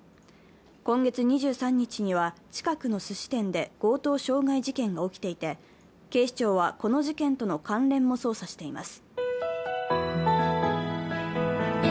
今月２３日には近くのすし店で強盗傷害事件が起きていて警視庁はこの事件との関連も捜査しています。